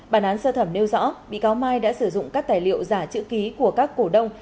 bản án sơ thẩm nêu rõ bị cáo mai đã sử dụng các tài liệu giả chữ ký của các cổ đông